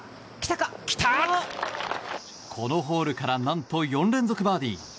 このホールから何と４連続バーディー。